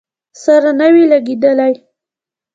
سره نه وې لګېدلې.